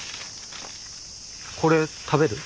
これ食べる？